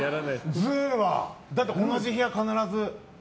だって同じ部屋が必ず。